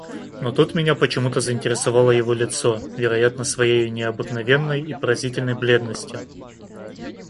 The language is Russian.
Но тут меня почему-то заинтересовало его лицо, вероятно, своею необыкновенной и поразительной бледностью.